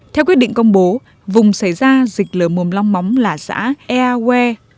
theo quyết định công bố vùng xảy ra dịch lở mồm long móng là xã ea hue